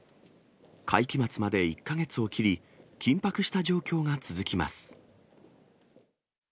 会期末まで１か月を切り、緊迫した状況が続きます。